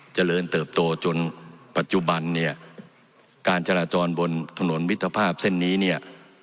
เจริญเติบโตจนปัจจุบันเนี่ยการจราจรบนถนนมิตรภาพเส้นนี้เนี่ย